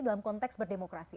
dalam konteks berdemokrasi